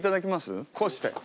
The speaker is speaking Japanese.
こうして。